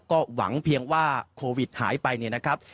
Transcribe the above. ก็หวังเพียงว่าโควิดหายไปเนี่ยนะครับ